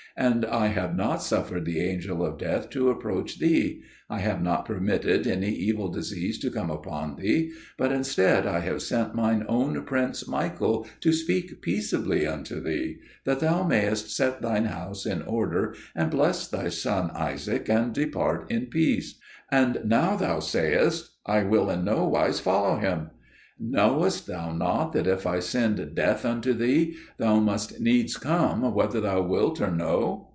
And I have not suffered the angel of death to approach thee: I have not permitted any evil disease to come upon thee, but instead I have sent mine own prince Michael to speak peaceably unto thee, that thou mayest set thine house in order and bless thy son Isaac and depart in peace; and now thou sayest, "I will in nowise follow him." Knowest thou not that if I send Death unto thee, thou must needs come whether thou wilt or no?'"